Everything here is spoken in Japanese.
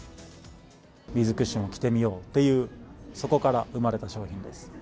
ビーズクッションを着てみようという、そこから生まれた商品です。